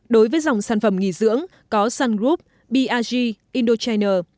đối với dòng sản phẩm nghỉ dưỡng có sun group brg indochina